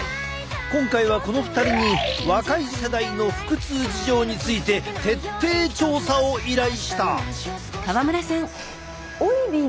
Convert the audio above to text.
今回はこの２人に若い世代の腹痛事情について徹底調査を依頼した！